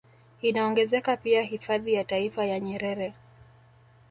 Inaongezeka pia hifadhi ya taifa ya Nyerere